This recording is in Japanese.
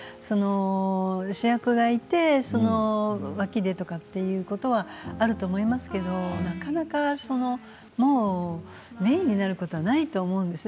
主役がいてその脇でということはあると思いますけれどなかなかメインになることはないと思うんです。